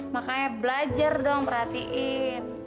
makanya belajar dong perhatiin